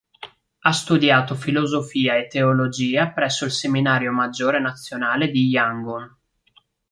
Ha studiato filosofia e teologia presso il seminario maggiore nazionale di Yangon.